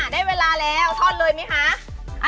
ได้เวลาแล้วทอดเลยไหมคะ